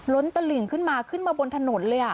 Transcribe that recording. ตลิ่งขึ้นมาขึ้นมาบนถนนเลย